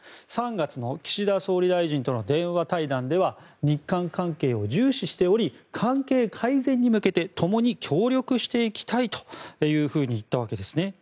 ３月の岸田総理大臣との電話対談では日韓関係を重視しており関係改善に向けてともに協力していきたいと言ったわけですね。